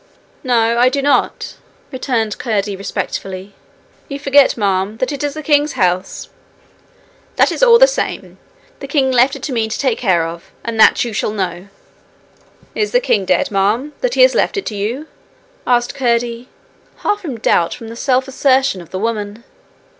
'No, I do not,' returned Curdie respectfully. 'You forget, ma'am, that it is the king's house.' 'That is all the same. The king left it to me to take care of and that you shall know!' 'Is the king dead, ma'am, that he has left it to you?' asked Curdie, half in doubt from the self assertion of the woman.